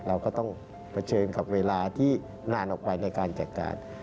เราก็ต้องเผชิญกับเวลาที่นานออกไปในการจัดการ